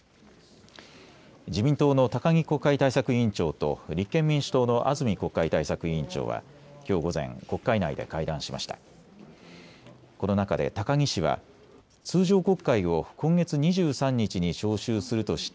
自民党の高木国会対策委員長と立憲民主党の安住国会対策委員長はきょう午前、国会内で会談しました。